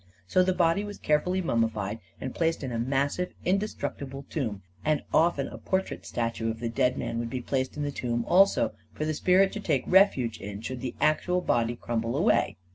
So the body was carefully mummified and placed in a massive, inde structible tomb; and often a portrait statue of the dead man would be placed in the tomb also, for the spirit to take refuge in, should the actual body crumble away.